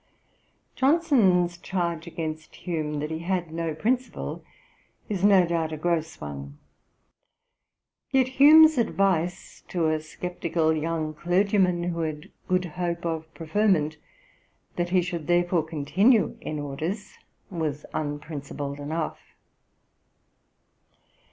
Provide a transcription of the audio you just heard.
Ib. p. 484. Johnson's charge against Hume that he had no principle, is, no doubt, a gross one; yet Hume's advice to a sceptical young clergyman, who had good hope of preferment, that he should therefore continue in orders, was unprincipled enough.